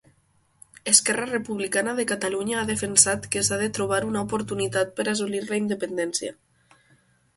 Esquerra Republicana de Catalunya ha defensat que s'ha de trobar una oportunitat per assolir la independència.